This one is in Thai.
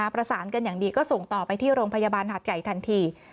ประสานกันอย่างดีก็ส่งต่อไปที่โรงพยาบาลหาดใหญ่ทันที